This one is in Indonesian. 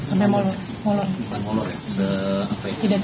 apa mas kembali lah sampai harus se